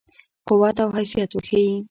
قوت او حیثیت وښيي.